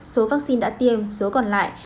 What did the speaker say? số vaccine đã tiêm số còn lại